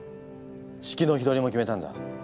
式の日取りも決めたんだ。